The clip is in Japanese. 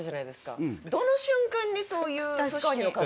どの瞬間にそういう組織の方と。